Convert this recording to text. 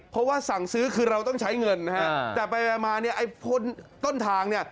เพราะว่าสั่งซื้อคือเราต้องใช้เงินนะฮะแต่ไปมาเนี่ยไอ้พ้นต้นทางเนี่ย